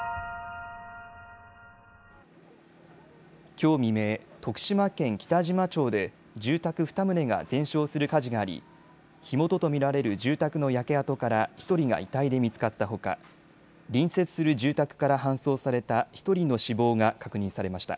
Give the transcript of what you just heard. きょう未明、徳島県北島町で住宅２棟が全焼する火事があり火元と見られる住宅の焼け跡から１人が遺体で見つかったほか隣接する住宅から搬送された１人の死亡が確認されました。